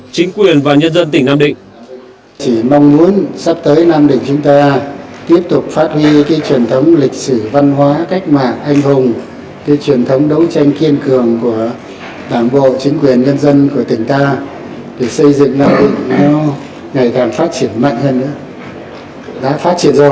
chính quyền và nhân dân tỉnh nam định